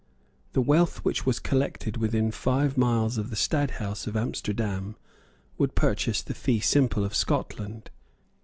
The wealth which was collected within five miles of the Stadthouse of Amsterdam would purchase the fee simple of Scotland.